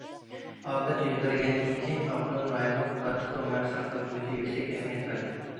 ئاپەت يۈز بەرگەندىن كېيىن، ئاپتونوم رايونلۇق پارتكوم ۋە خەلق ھۆكۈمىتى يۈكسەك ئەھمىيەت بەردى.